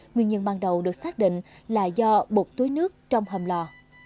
nguyên nhân ban đầu được xác định là do bột túi nước trong hầm lò